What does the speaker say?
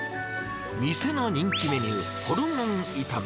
店の人気メニュー、ホルモン炒め。